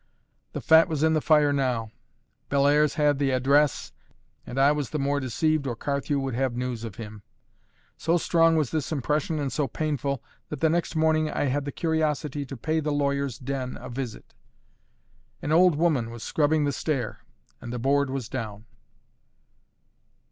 The fat was in the fire now: Bellairs had the address, and I was the more deceived or Carthew would have news of him. So strong was this impression, and so painful, that the next morning I had the curiosity to pay the lawyer's den a visit. An old woman was scrubbing the stair, and the board was down.